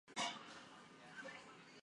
假设你是有无限个房间的旅馆主人。